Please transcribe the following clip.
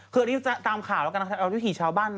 คือตามข่าวแล้วกันวิธีชาวบ้าน